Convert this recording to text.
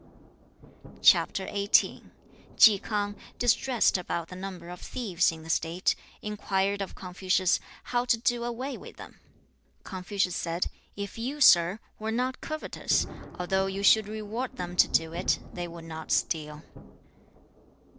Chi K'ang, distressed about the number of thieves in the state, inquired of Confucius how to do away with them. Confucius said, 'If you, sir, were not covetous, although you should reward them to do it, they would not steal.'